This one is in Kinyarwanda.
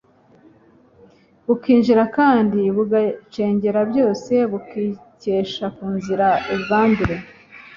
bukinjira kandi bugacengera byose bubikesha kuzira ubwandure